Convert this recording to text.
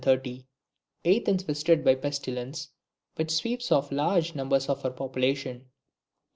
Athens visited by a pestilence, which sweeps off large numbers of her population.